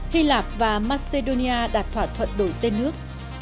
hy lạp và macedonia đạt thỏa thuận đổi tên nước